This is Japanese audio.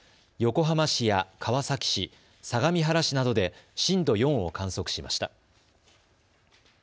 横浜市や川崎市、相模原市などで震度４を観測しました。